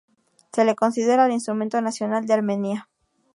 Se le considera el instrumento nacional de Armenia.